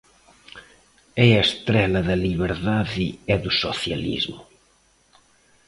É a estrela da Liberdade e do Socialismo.